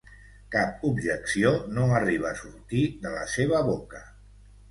Cap objecció no arriba a sortir de la seva boca.